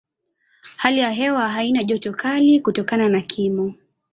Hali ya hewa haina joto kali kutokana na kimo.